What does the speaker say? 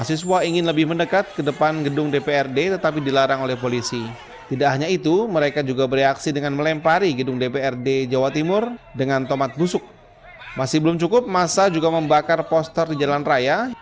masih suaranya masih suaranya masih suaranya